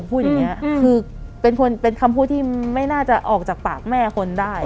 พูดอย่างนี้คือเป็นคำพูดที่ไม่น่าจะออกจากปากแม่คนได้